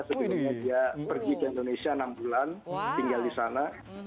sebelumnya dia pergi ke indonesia enam bulan tinggal di sana